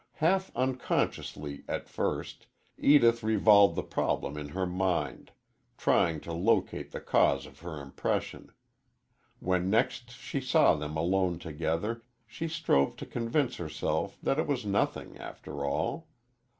Half unconsciously, at first, Edith revolved the problem in her mind, trying to locate the cause of her impression. When next she saw them alone together, she strove to convince herself that it was nothing, after all.